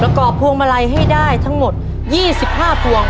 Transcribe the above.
กรอบพวงมาลัยให้ได้ทั้งหมด๒๕พวง